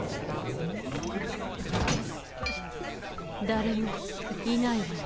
だれもいないわよ